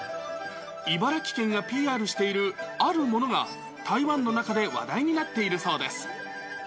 茨城県がＰＲしているあるものが、台湾の中で話題になっているそうです。